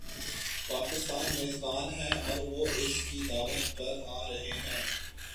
پاکستان میزبان ہے اور وہ اس کی دعوت پر آ رہے ہیں۔